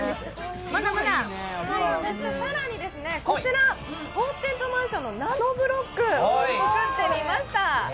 そして更に、こちら、ホーンテッドマンションのナノブロック作ってみました。